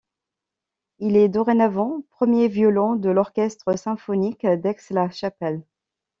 Il est dorénavant premier violon de l'Orchestre symphonique d'Aix-la-Chapelle.